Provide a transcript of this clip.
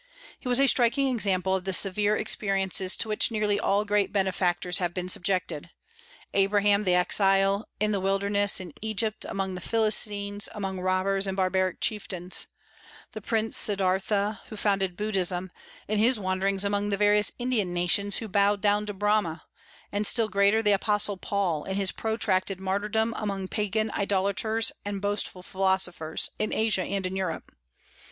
He was a striking example of the severe experiences to which nearly all great benefactors have been subjected, Abraham the exile, in the wilderness, in Egypt, among Philistines, among robbers and barbaric chieftains; the Prince Siddârtha, who founded Buddhism, in his wanderings among the various Indian nations who bowed down to Brahma; and, still greater, the Apostle Paul, in his protracted martyrdom among Pagan idolaters and boastful philosophers, in Asia and in Europe.